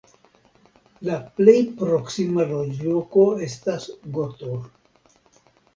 La plej proksima loĝloko estas Gotor.